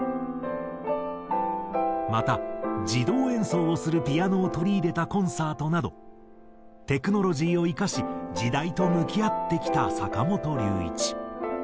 また自動演奏をするピアノを取り入れたコンサートなどテクノロジーを生かし時代と向き合ってきた坂本龍一。